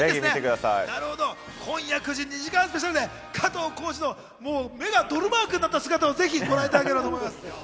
今夜９時、２時間スペシャルで加藤浩次の目がドルマークになった姿をご覧いただきたいと思います。